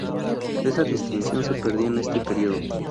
Esa distinción se perdió en este periodo.